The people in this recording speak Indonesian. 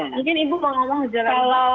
mungkin ibu mau ngomong gejalanya